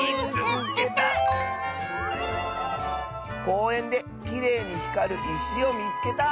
「こうえんできれいにひかるいしをみつけた！」。